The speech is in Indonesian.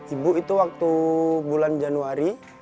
ibu itu waktu bulan januari